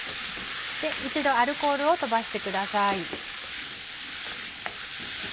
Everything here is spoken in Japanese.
一度アルコールを飛ばしてください。